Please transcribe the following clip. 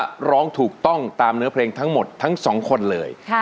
ถ้าร้องถูกต้องตามเนื้อเพลงทั้งหมดทั้งสองคนเลย